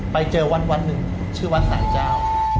ไปเจอวันหนึ่งชื่อวัดสายเจ้า